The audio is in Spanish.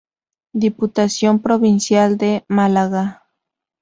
Diputación Provincial de Málaga.